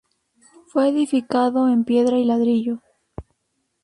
Fue edificado en piedra y ladrillo.